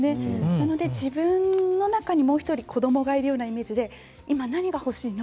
なので自分の中にもう１人、子どもがいるような感じで今、何が欲しいの？